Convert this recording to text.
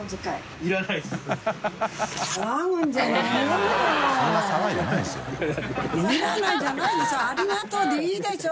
いらないじゃないでしょ